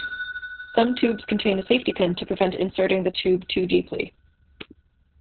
Some tubes contain a safety pin to prevent inserting the tube too deeply.